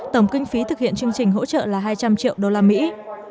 tổng kinh phí thực hiện chương trình hỗ trợ là hai trăm linh triệu đô la mỹ